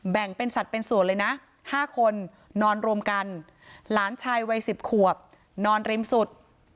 แบ่งเป็นสัตว์เป็นส่วนเลยนะ๕คนนอนรวมกันหลานชายวัย๑๐ขวบนอนริมสุด